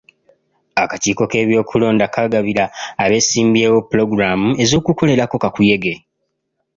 Akakiiko k'ebyokulonda kagabira abeesimbyewo pulogulaamu z'okukolerako kakuyege.